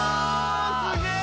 すげえ！